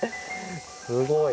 すごい！